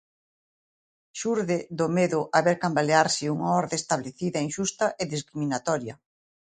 Xurde do medo a ver cambalearse unha orde establecida inxusta e discriminatoria.